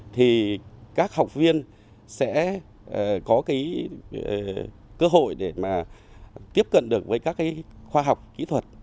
thì các học viên sẽ có cái cơ hội để mà tiếp cận được với các cái khoa học kỹ thuật